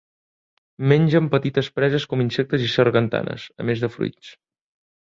Mengen petites preses com insectes i sargantanes, a més de fruits.